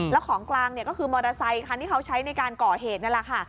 แล้วของกลางเนี่ยก็คือมอเตอร์ไซคันที่เขาใช้ในการก่อเหตุนั่นแหละค่ะ